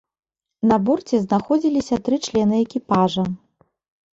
На борце знаходзіліся тры члены экіпажа.